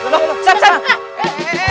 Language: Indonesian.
loh loh loh sep sep